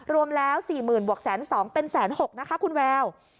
รวมแล้ว๔๐๐๐๐บาทบวก๑๐๒๐๐๐บาทเป็น๑๐๖๐๐๐บาทนะคะคุณแวว